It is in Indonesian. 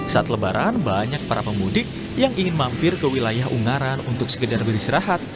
saat lebaran banyak para pemudik yang ingin mampir ke wilayah ungaran untuk sekedar beristirahat